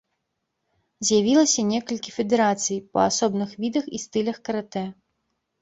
З'явілася некалькі федэрацый па асобных відах і стылях каратэ.